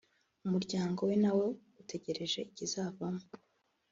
umuryango we na wo utegereje ikizavamo